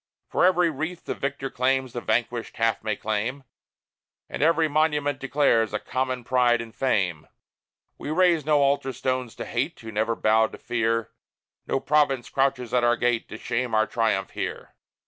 For every wreath the victor wears The vanquished half may claim; And every monument declares A common pride and fame. We raise no altar stones to Hate, Who never bowed to Fear: No province crouches at our gate, To shame our triumph here.